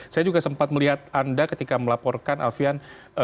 saya juga sempat melihat anda ketika melaporkan alfian